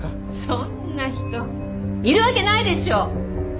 そんな人いるわけないでしょ！